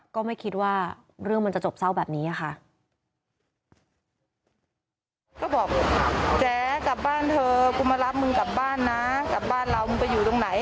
ก็ไม่คิดว่าเรื่องมันจะจบเศร้าแบบนี้ค่ะ